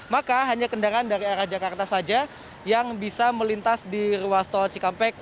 maka hanya kendaraan dari arah jakarta saja yang bisa melintas di ruas tol cikampek